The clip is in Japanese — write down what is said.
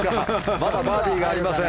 まだバーディーがありません。